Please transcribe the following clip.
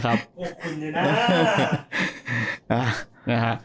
โฆษคุณอยู่น่า